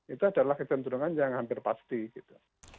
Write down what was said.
itu adalah kecenderungan yang hampir pasti gitu